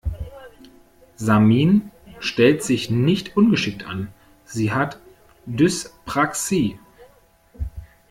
Samin stellt sich nicht ungeschickt an, sie hat Dyspraxie.